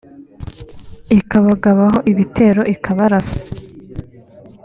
ikabagabaho ibitero ikabarasa